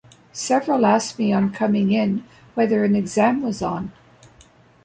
Several asked me on coming in whether an exam was on!